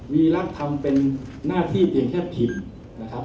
วีลักษณ์ทำเป็นหน้าที่เพียงแค่พิมพ์